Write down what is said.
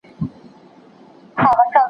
هغه خپل عزت وساتی او له مجلسه ووتی.